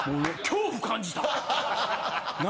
恐怖感じたって。